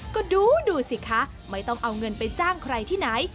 ก็ดูสิคะไม่ต้องเอาเงินไปจ้างใครที่ไหน